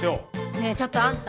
ねえちょっとあんた。